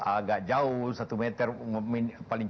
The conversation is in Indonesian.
agak jauh satu meter paling